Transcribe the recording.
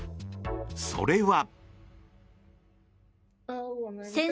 それは。